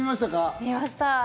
見ました。